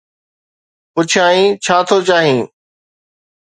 پڇيائين: ڇا ٿو چاهين؟